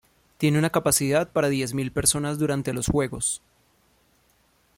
Tiene una capacidad para diez mil personas durante los juegos.